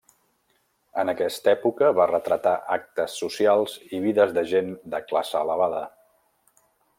En aquesta època va retratar actes socials i vides de gent de classe elevada.